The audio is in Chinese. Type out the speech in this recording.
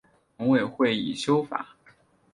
农委会已修法